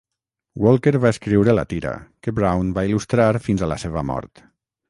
Walker va escriure la tira, que Browne va il·lustrar fins a la seva mort.